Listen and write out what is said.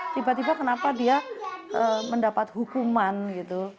tiba tiba kenapa dia mendapat hukuman gitu